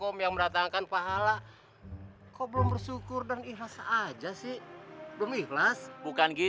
maka gak sudi gue geli